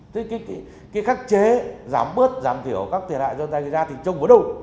thế cái khắc chế giảm bớt giảm thiểu các thiệt hại do tai gây ra thì trông có đâu